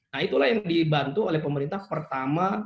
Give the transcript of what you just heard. nah itulah yang dibantu oleh pemerintah pertama